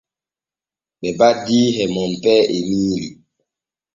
Ɓe baddii e Monpee Emiili.